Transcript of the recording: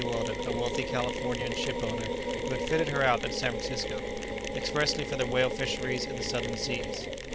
Weldon, a wealthy Californian ship owner who had fitted her out at San Francisco, expressly for the whale fisheries in the southern seas.